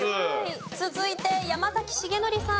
続いて山崎樹範さん。